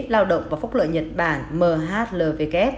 lao động và phốc lợi nhật bản mhlw